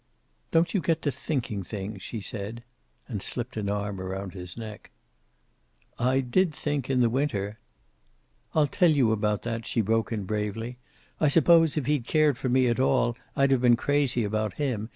"Don't you get to thinking things," she said. And slipped an arm around his neck. "I did think, in the winter " "I'll tell you about that," she broke in, bravely. "I suppose, if he'd cared for me at all, I'd have been crazy about him.